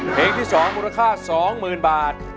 เพลงที่๒มูลค่า๒๐๐๐บาท